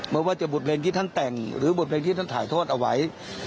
ไม่ว่าจะบทเพลงที่ท่านแต่งหรือบทเพลงที่ท่านถ่ายทอดเอาไว้